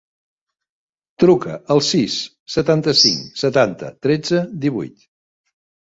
Truca al sis, setanta-cinc, setanta, tretze, divuit.